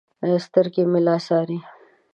سترګې مې لار څارې